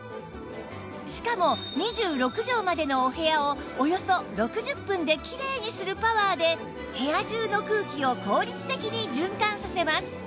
しかも２６畳までのお部屋をおよそ６０分できれいにするパワーで部屋中の空気を効率的に循環させます